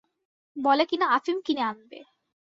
বলে কিনা আফিম কিনে আনবে।